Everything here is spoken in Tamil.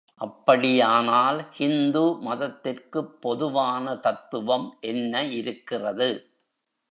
அப்படியானால் ஹிந்து மதத்திற்குப் பொதுவான தத்துவம் என்ன இருக்கிறது?